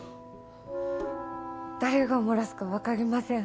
誰が漏らすかわかりません。